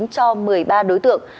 cho một mươi ba đối tượng